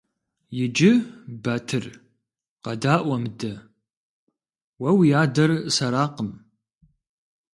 Иджы, Батыр, къэдаӀуэ мыдэ: уэ уи адэр сэракъым.